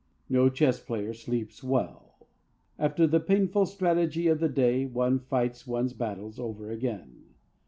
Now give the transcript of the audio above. No chess player sleeps well. After the painful strategy of the day one fights one's battles over again.